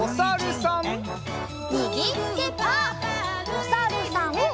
おさるさん。